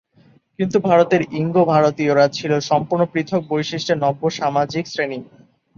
কিন্তু ভারতের ইঙ্গ-ভারতীয়রা ছিল সম্পূর্ণ পৃথক বৈশিষ্টের নব্য সামাজিক শ্রেণী।